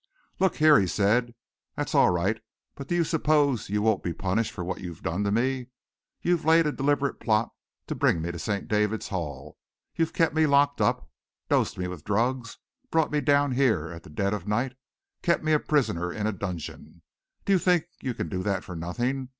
"Look here," he said, "that's all right, but do you suppose you won't be punished for what you've done to me? You laid a deliberate plot to bring me to St. David's Hall; you've kept me locked up, dosed me with drugs, brought me down here at the dead of night, kept me a prisoner in a dungeon. Do you think you can do that for nothing?